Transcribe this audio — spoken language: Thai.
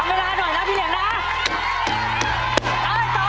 ทำเวลาหน่อยนะพี่เหลียงนะฮะ